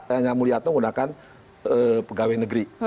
yang mulia itu menggunakan pegawai negeri